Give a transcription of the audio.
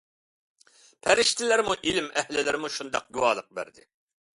پەرىشتىلەرمۇ، ئىلىم ئەھلىلىرىمۇ شۇنداق گۇۋاھلىق بەردى.